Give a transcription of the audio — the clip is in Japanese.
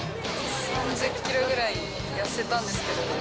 ３０キロぐらい痩せたんですけど。